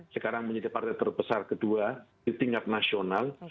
sekarang menjadi partai terbesar kedua di tingkat nasional